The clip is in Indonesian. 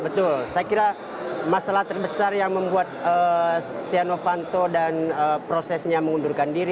betul saya kira masalah terbesar yang membuat setia novanto dan prosesnya mengundurkan diri